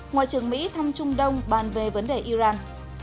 ngoại trưởng mỹ thăm trung đông bàn về vấn đề iran